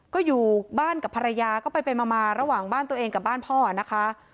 ก็อยู่บ้านกับภรรยาก็ไปมาระหว่างบ้านตัวเองกับบ้านพ่อนะคะ